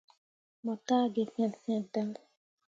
Mo taa gi fet fet dan.